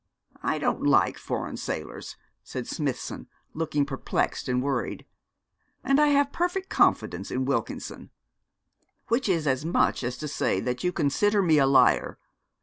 'I don't like foreign sailors,' said Smithson, looking perplexed and worried; 'and I have perfect confidence in Wilkinson.' 'Which is as much as to say that you consider me a liar!